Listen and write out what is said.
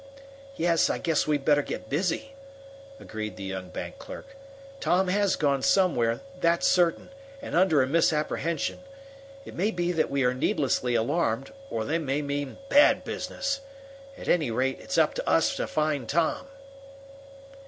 "Yes, I guess we'd better get busy," agreed the young bank clerk. "Tom has gone somewhere, that's certain, and under a misapprehension. It may be that we are needlessly alarmed, or they may mean bad business. At any rate, it's up to us to find Tom."